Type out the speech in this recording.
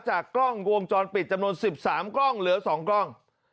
จากกล้องวงจรปิดจำนวน๑๓กล้องเหลือ๒กล้อง